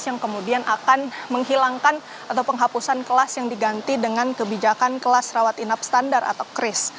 yang kemudian akan menghilangkan atau penghapusan kelas yang diganti dengan kebijakan kelas rawat inap standar atau kris